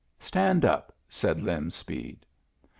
"Stand up," said Lem Speed.